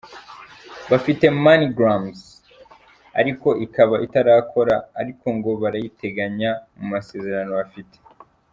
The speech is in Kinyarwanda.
Bafite “Money Grams”, ariko ikaba itarakora ariko ngo barayiteganya mu masezerano bafite.